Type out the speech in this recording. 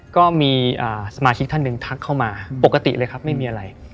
ก็มีสมาชิกท่านหนึ่งทักเข้ามาปกติเลยครับไม่มีอะไร